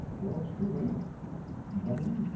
Yours truly, W.